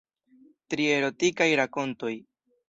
Tri erotikaj rakontoj.